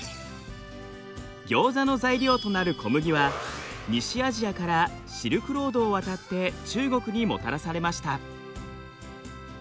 ギョーザの材料となる小麦は西アジアからシルクロードを渡って中国にもたらされました。